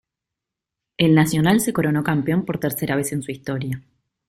El Nacional se coronó campeón por tercera vez en su historia.